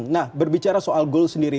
nah berbicara soal goal sendiri